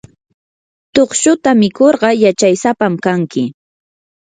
tukshuta mikurqa yachaysapam kanki.